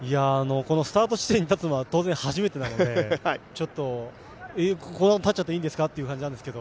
スタート地点に立つのは当然初めてなので、ちょっとえっ、ここ、立っちゃっていいんですかという感じなんですけど。